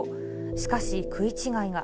しかし、食い違いが。